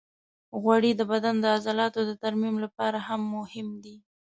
غوړې د بدن د عضلاتو د ترمیم لپاره هم مهمې دي.